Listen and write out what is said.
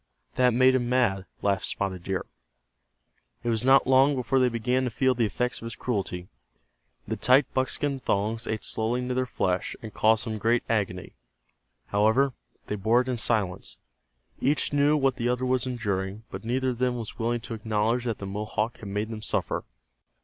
"That made him mad," laughed Spotted Deer. It was not long before they began to feel the effects of his cruelty. The tight buckskin thongs ate slowly into their flesh, and caused them great agony. However, they bore it in silence. Each knew what the other was enduring, but neither of them was willing to acknowledge that the Mohawk had made him suffer.